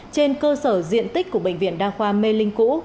trên cơ sở diện tích của bệnh viện đa khoa mê linh cũ